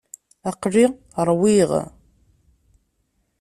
Aql-i ṛwiɣ.